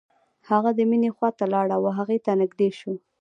هغه د مينې خواته لاړ او هغې ته نږدې شو.